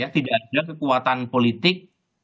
tidak ada kekuatan politik